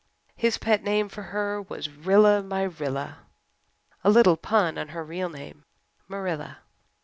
His pet name for her was "Rilla my Rilla" a little pun on her real name, Marilla.